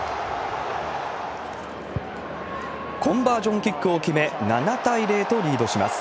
コンバージョンキックを決め、７対０とリードします。